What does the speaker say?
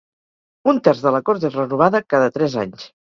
Un terç de la Cort és renovada cada tres anys.